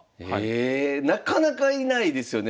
えなかなかいないですよね。